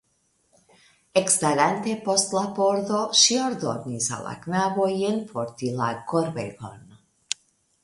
Ekstarante post la pordo ŝi ordonis al la knaboj enporti la korbegon.